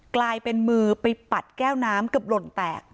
กลายเป็นมือไปปัดแก้วน้ำเกือบหล่นแตก